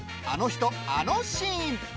あの人あのシーン」。